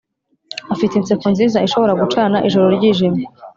afite inseko nziza ishobora gucana ijoro ryijimye.